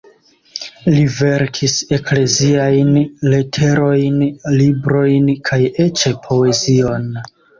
Li verkis ekleziajn leterojn, librojn kaj eĉ poezion.